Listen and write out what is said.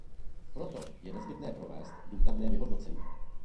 Proto je nezbytné provést důkladné vyhodnocení.